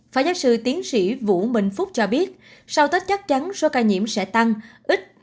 phó giáo sư tiến sĩ vũ minh phúc cho biết sau tết chắc chắn số ca nhiễm sẽ tăng ít